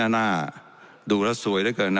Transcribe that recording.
๓๔๐๐หน้าดูแล้วสวยด้วยเกิน